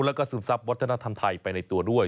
และก็สนทรัพย์วัฒนธรรมไทยไปในตัวด้วย